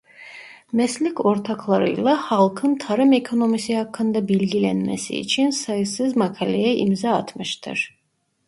Meslek ortaklarıyla halkın tarım ekonomisi hakkında bilgilenmesi için sayısız makaleye imza atmıştır.